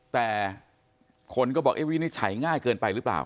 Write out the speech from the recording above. แต่คนก็บอกวินิจฉัยง่ายเกินไปหรือเปล่า